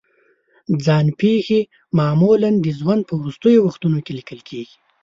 ځان پېښې معمولا د ژوند په وروستیو وختونو کې لیکل کېږي.